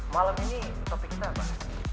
malam ini topik kita apa